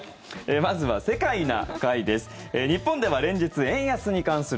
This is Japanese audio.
まずは「世界な会」です。